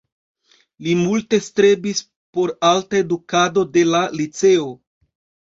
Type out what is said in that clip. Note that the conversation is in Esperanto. Li multe strebis por alta edukado de la liceo.